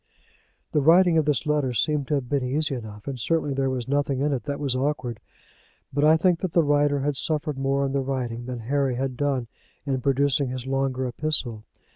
The writing of this letter seemed to have been easy enough, and certainly there was nothing in it that was awkward; but I think that the writer had suffered more in the writing than Harry had done in producing his longer epistle.